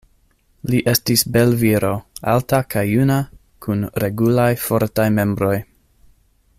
Li estis belviro, alta kaj juna, kun regulaj fortaj membroj.